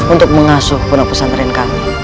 untuk mengasuh pondok pesantren kami